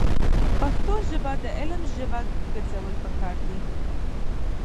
پښتو ژبه د علم ژبه ګرځول پکار دي.